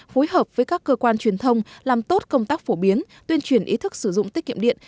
phối hợp với các cơ quan truyền thông làm tốt công tác phổ biến tuyên truyền ý thức sử dụng tiết kiệm điện